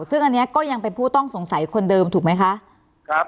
ซึ่งอันนี้ก็ยังเป็นผู้ต้องสงสัยคนเดิมถูกไหมคะครับ